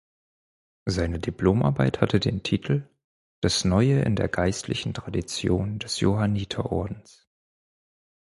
Seine Diplomarbeit hatte den Titel „Das Neue in der Geistlichen Tradition des Johanniterordens“.